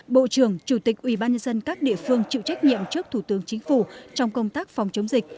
bộ trưởng chủ tịch ubnd các địa phương chịu trách nhiệm trước thủ tướng chính phủ trong công tác phòng chống dịch